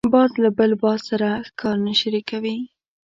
باز له بل باز سره ښکار نه شریکوي